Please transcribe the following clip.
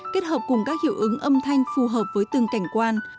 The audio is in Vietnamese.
kết hợp cùng các hiệu ứng âm thanh phù hợp với từng cảnh quan